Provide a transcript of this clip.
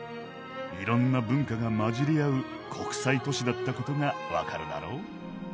いろんな文化が混じり合う国際都市だったことがわかるだろ。